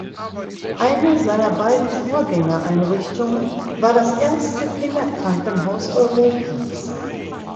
Eine seiner beiden Vorgängereinrichtungen war das erste Kinderkrankenhaus Europas.